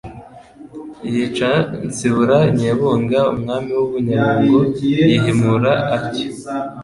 yica Nsibura Nyebunga umwami w'u Bunyabungo yihimura atyo.